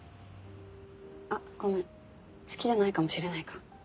あっごめん好きじゃないかもしれないか。